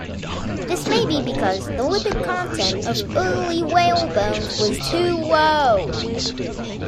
This may be because the lipid content of early whale bones was too low.